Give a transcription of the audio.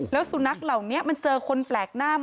แล้วสุนัขเหล่านี้มันเจอคนแปลกหน้า